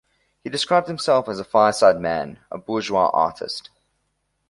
He described himself as "a fireside man, a bourgeois artist".